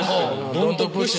ドントプッシュ。